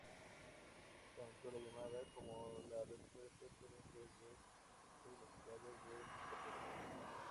Tanto la "llamada" como la "respuesta" suelen ser versos musicales de escasa duración.